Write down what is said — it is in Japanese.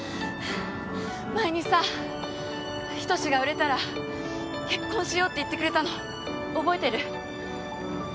前にさ、仁が売れたら結婚しようって言ってくれたの覚えてる？